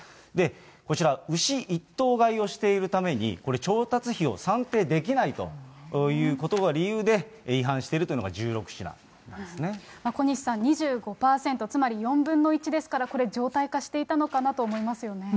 こちら、牛１頭買いをしているために、これ、調達費を算定できないということが理由で違反しているというのが小西さん、２５％、つまり４分の１ですから、これ、常態化していたのかなと思いますよね。